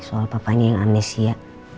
soal papanya yang amnesia